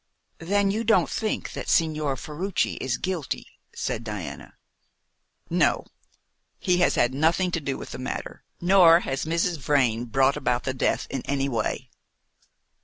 "Then you don't think that Signor Ferruci is guilty?" said Diana. "No. He has had nothing to do with the matter; nor has Mrs. Vrain brought about the death in any way."